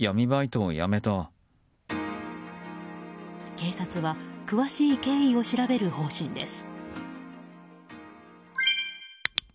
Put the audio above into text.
警察は詳しい経緯を調べる方針です。